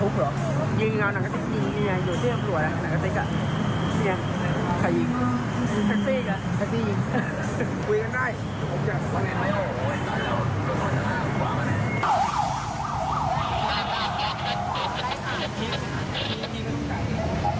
คุยกันได้